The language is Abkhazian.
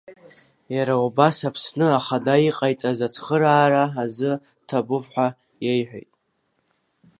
Иара убас Аԥсны Ахада иҟаиҵаз ацхыраара азы ҭабуп ҳәа иеиҳәеит…